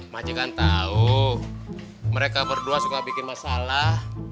maji kan tahu mereka berdua suka bikin masalah